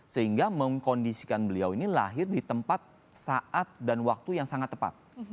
sehingga mengkondisikan beliau ini lahir di tempat saat dan waktu yang sangat tepat